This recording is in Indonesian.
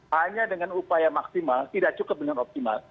hanya dengan upaya maksimal tidak cukup dengan optimal